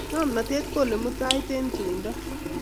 Ngomnotet konemu tait eng tuindo